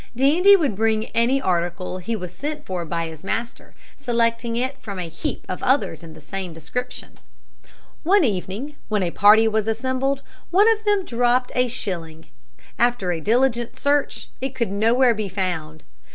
Dandie would bring any article he was sent for by his master, selecting it from a heap of others of the same description. One evening, when a party was assembled, one of them dropped a shilling. After a diligent search, it could nowhere be found.